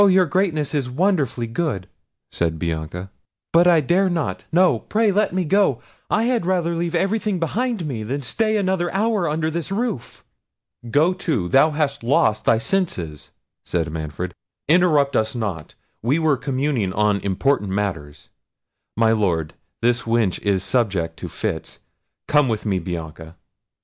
your Greatness is wonderfully good," said Bianca, "but I dare not—no, pray let me go—I had rather leave everything behind me, than stay another hour under this roof." "Go to, thou hast lost thy senses," said Manfred. "Interrupt us not; we were communing on important matters—My Lord, this wench is subject to fits—Come with me, Bianca."